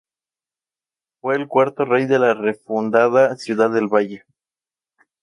Fue el cuarto rey de la refundada Ciudad de Valle.